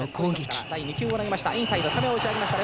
第２球を投げました。